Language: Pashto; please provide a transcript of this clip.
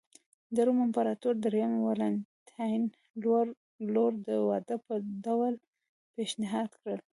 د روم امپراتور درېیم والنټیناین لور د واده په ډول پېشنهاد کړه